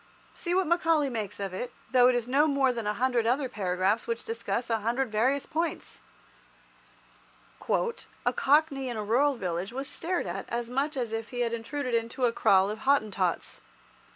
See what Macaulay makes of it, though it is no more than a hundred other paragraphs which discuss a hundred various points— "A cockney in a rural village was stared at as much as if he had intruded into a kraal of Hottentots.